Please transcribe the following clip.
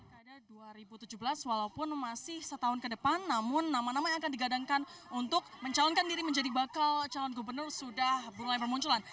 pada dua ribu tujuh belas walaupun masih setahun ke depan namun nama nama yang akan digadangkan untuk mencalonkan diri menjadi bakal calon gubernur sudah mulai bermunculan